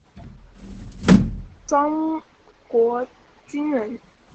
庄国钧人。